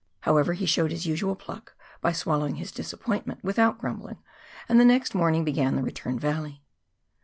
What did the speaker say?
However, he showed his usual pluck by swallowing his disappointment without grumbling, and the next morning began the return journey.